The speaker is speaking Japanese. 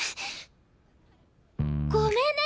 ごめんね！